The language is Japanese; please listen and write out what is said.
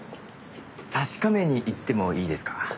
確かめに行ってもいいですか？